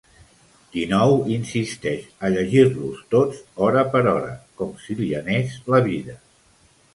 Dinou insisteix a llegir-los tots, hora per hora, com si li anés la vida.